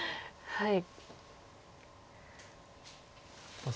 はい。